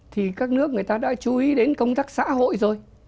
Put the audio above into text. thì các nước người ta đã chú ý đến công tác xã hội rồi